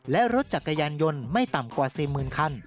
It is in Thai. และรถจักรยานยนต์ไม่ต่ำกว่า๔๐๐๐คัน